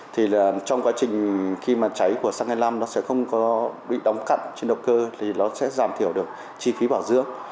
thì trong quá trình khi mà cháy của xăng hai mươi năm nó sẽ không có bị đóng cặn trên động cơ thì nó sẽ giảm thiểu được chi phí bảo dưỡng